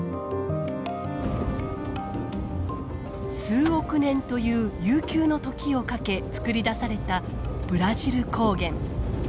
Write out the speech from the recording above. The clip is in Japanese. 数億年という悠久の時をかけつくり出されたブラジル高原。